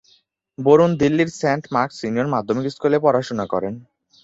বরুণ দিল্লীর Saint Mark's Senior মাধ্যমিক স্কুলে পড়াশুনা করেন।